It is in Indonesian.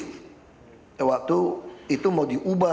waktu itu ketua balegda pak m taufik dengan sekda di diskusi informal